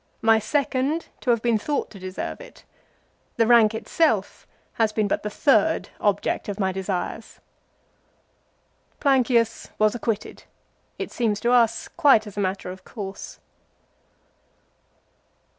My second to have been thought to deserve it. The rank itself has been but the third object of my desires." ' Plancius was acquitted, it seems to us quite as a matter of course.